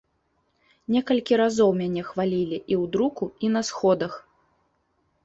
Некалькі разоў мяне хвалілі і ў друку, і на сходах.